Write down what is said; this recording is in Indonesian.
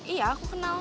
iya aku kenal